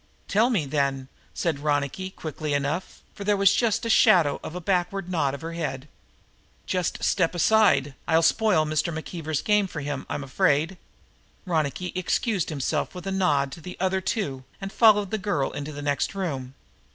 "Tell me, then," said Ronicky quickly enough, for there was just the shadow of a backward nod of her head. "Just step aside. I'll spoil Mr. McKeever's game for him, I'm afraid." Ronicky excused himself with a nod to the other two and followed the girl into the next room.